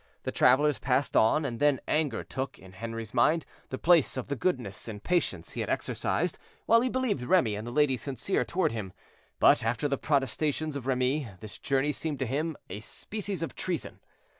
The travelers passed on, and then anger took, in Henri's mind, the place of the goodness and patience he had exercised, while he believed Remy and the lady sincere toward him. But after the protestations of Remy, this journey seemed to him a species of treason.